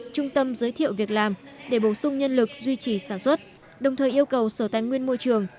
trung tâm giới thiệu việc làm để bổ sung nhân lực duy trì sản xuất đồng thời yêu cầu sở tài nguyên môi trường